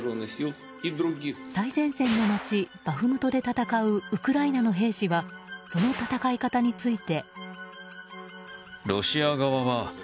最前線の町バフムトで戦うウクライナの兵士はその戦い方について。